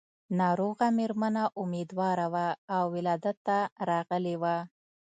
ناروغه مېرمنه اميدواره وه او ولادت ته راغلې وه.